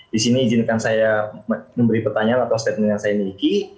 di sini izinkan saya memberi pertanyaan atau statement yang saya miliki